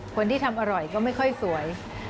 คนที่ทำอร่อยก็ไม่ค่อยสวย